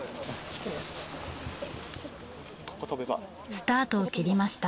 スタートを切りました。